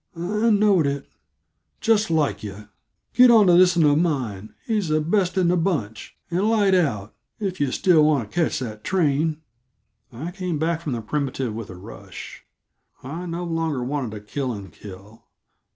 "I knowed it. Just like yuh. Get onto this'n uh mine he's the best in the bunch and light out if yuh still want t' catch that train." I came back from the primitive with a rush. I no longer wanted to kill and kill.